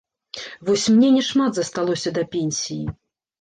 Вось мне няшмат засталося да пенсіі.